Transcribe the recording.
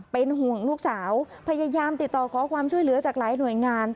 เป็นห่วงลูกสาวพยายามติดต่อขอความช่วยเหลือจากหลายหน่วยงาน